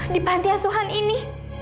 di pantiasuhan ini